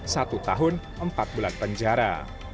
satu tahun empat bulan penjara